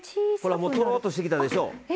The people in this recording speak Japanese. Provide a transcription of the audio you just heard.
戻ろうとしてきたでしょう。